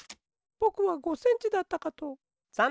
ぼくは５センチだったかと。